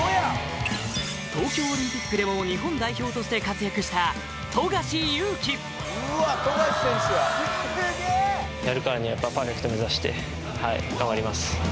東京オリンピックでも日本代表として活躍した富樫勇樹やるからにはパーフェクト目指して頑張ります